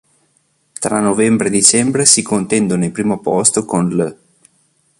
Tra novembre e dicembre si contendono il primo posto con l'.